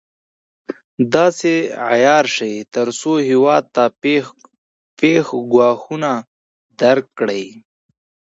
داسې عیار شي تر څو هېواد ته پېښ ګواښونه درک کړي.